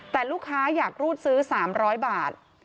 แต่ลูกค้าอยากรูดซื้อ๓๐๐บาท